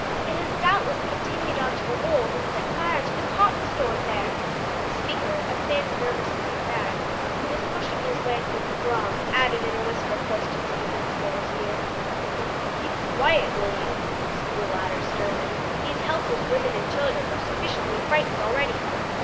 It has doubtless continued on to the hold, and set fire to the cotton stored there," the speaker a thin, nervous looking man, who was pushing his way through the throng added in a whisper close to Mr. Dinsmore's ear. "Be quiet, will you!" said the latter sternly; "these helpless women and children are sufficiently frightened already."